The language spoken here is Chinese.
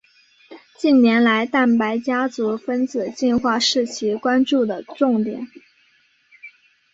近年来蛋白家族分子进化是其关注的重点。